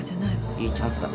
いいチャンスだ。